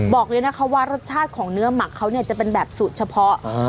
บอกเลยนะคะว่ารสชาติของเนื้อหมักเขาเนี่ยจะเป็นแบบสูตรเฉพาะ